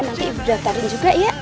nanti ibu daftarin juga ya